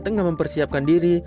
tengah mempersiapkan diri